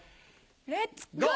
レッツゴー！